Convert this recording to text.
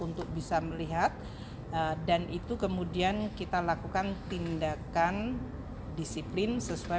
untuk melakukan kekomendasian dan melakukan pertimbangan men giraffe kraut